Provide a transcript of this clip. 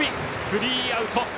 スリーアウト。